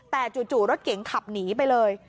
แต่จู่รถเก๋งขับหนีไปเลย